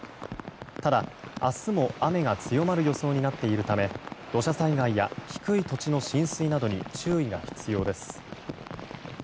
ただ、明日も雨が強まる予想になっているため土砂災害や低い土地の浸水などに注意が必要です。